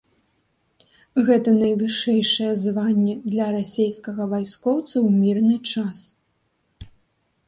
Гэта найвышэйшае званне для расейскага вайскоўца ў мірны час.